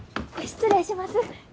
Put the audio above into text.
失礼します。